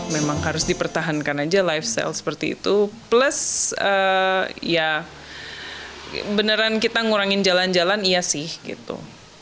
memang harus dipertahankan aja lifestyle seperti itu plus ya beneran kita ngurangin jalan jalan iya sih gitu